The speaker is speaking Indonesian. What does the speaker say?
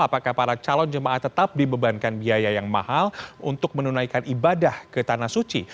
apakah para calon jemaah tetap dibebankan biaya yang mahal untuk menunaikan ibadah ke tanah suci